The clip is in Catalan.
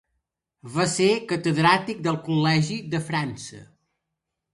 Va ser catedràtic del Col·legi de França.